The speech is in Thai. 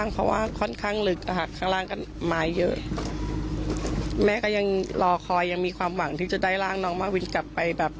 พึ่งค้าทุกที่เลยค่ะ